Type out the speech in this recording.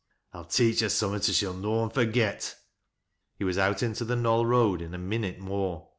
I'll teach her summat as she'll noan forget." He was out into the Knoll Eoad in a minute more.